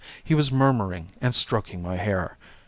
He was murmuring and stroking my hair.